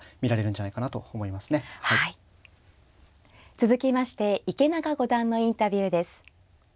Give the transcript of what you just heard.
続きまして池永五段のインタビューです。